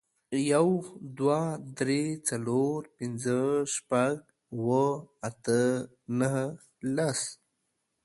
يو، دوه، درې، څلور، پينځه، شپږ، اووه، اته، نهه، لس